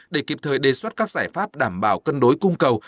để kịp thời đề xuất các giải pháp đảm bảo cân đối cung cầu